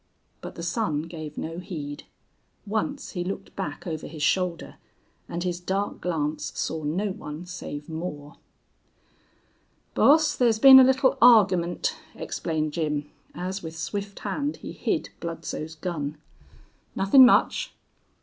But the son gave no heed. Once he looked back over his shoulder, and his dark glance saw no one save Moore. "Boss, thar's been a little argyment," explained Jim, as with swift hand he hid Bludsoe's gun. "Nuthin' much."